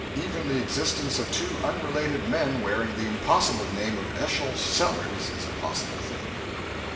Even the existence of two unrelated men wearing the impossible name of Eschol Sellers is a possible thing.